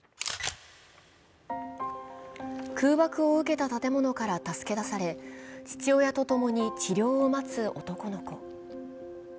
空爆を受けた建物から助け出され父親と共に治療を待つ男の子。